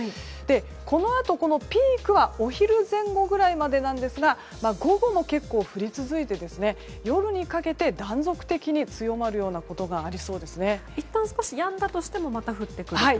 このあとピークはお昼前後ぐらいまでなんですが午後も結構、降り続いて夜にかけて断続的に強まるようなことがいったん少しやんだとしてもまた降ってくるんですね。